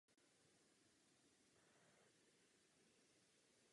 Ten také v tomto roce dostal novou širší masku po vzoru svého silnějšího bratra.